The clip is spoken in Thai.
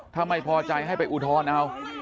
ถ้าไม่พอใจให้ไปอุทธรณ์เอา